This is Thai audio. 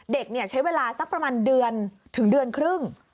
เด็กใช้เวลาสักประมาณเดือนถึงเดือนครึ่ง